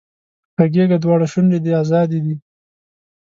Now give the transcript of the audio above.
غږېږه دواړه شونډې دې ازادې دي